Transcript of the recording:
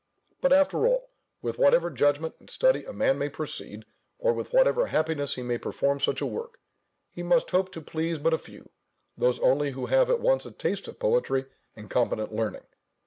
But after all, with whatever judgment and study a man may proceed, or with whatever happiness he may perform such a work, he must hope to please but a few; those only who have at once a taste of poetry, and competent learning.